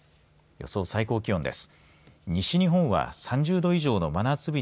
予想最低気温です。